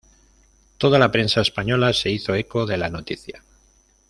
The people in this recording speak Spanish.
Toda la prensa española se hizo eco de la noticia.